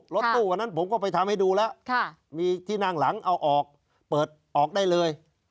รถตู้วันนั้นผมก็ไปทำให้ดูแล้วมีที่นั่งหลังเอาออกเปิดออกได้เลย